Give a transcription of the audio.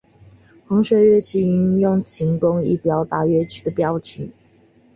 弓弦乐器运用琴弓以表达乐曲的表情。